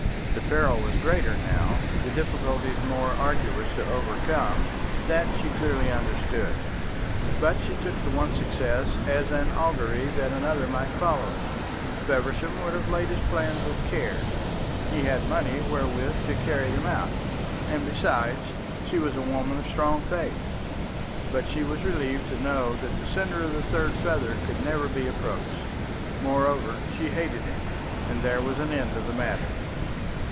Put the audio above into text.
The peril was greater now, the difficulties more arduous to overcome; that she clearly understood. But she took the one success as an augury that another might follow it. Feversham would have laid his plans with care; he had money wherewith to carry them out; and, besides, she was a woman of strong faith. But she was relieved to know that the sender of the third feather could never be approached. Moreover, she hated him, and there was an end of the matter.